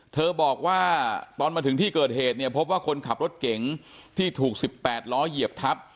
บอกว่าตอนมาถึงที่เกิดเหตุเนี่ยพบว่าคนขับรถเก๋งที่ถูก๑๘ล้อเหยียบทับ